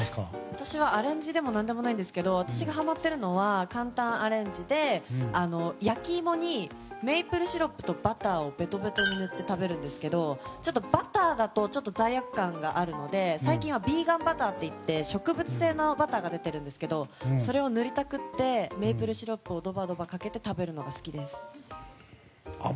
私はアレンジでも何でもないんですけど私がはまっているのは簡単アレンジで焼き芋にメープルシロップとベトベトに塗って食べるんですけどちょっとバターだと罪悪感があるのでヴィーガンバターという植物性のバターが出ているんですけどそれを塗りたくってメイプルシロップをドバドバかけて食べるのが好きです。